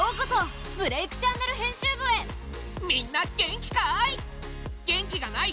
みんな元気かい？